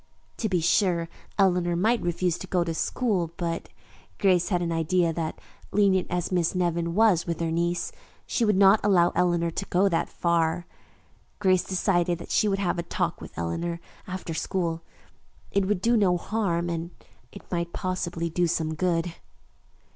To be sure, Eleanor might refuse to go to school, but Grace had an idea that, lenient as Miss Nevin was with her niece, she would not allow Eleanor to go that far. Grace decided that she would have a talk with Eleanor after school. It would do no harm and it might possibly do some good.